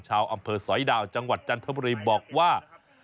ชาวอำเภอสอยดาวจังหวัดจันทบุรีบอกว่า